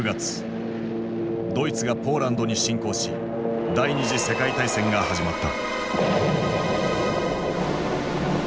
ドイツがポーランドに侵攻し第二次世界大戦が始まった。